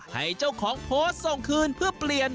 ให้เจ้าของโพสต์ส่งคืนเพื่อเปลี่ยน